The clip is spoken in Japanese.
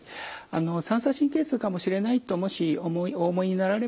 あの三叉神経痛かもしれないともしお思いになられましたらですね